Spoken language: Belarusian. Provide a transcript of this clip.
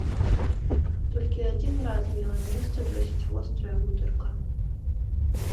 Толькі адзін раз мела месца досыць вострая гутарка.